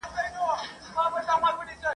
هم له کلیو هم له ښار دعوې راتللې ..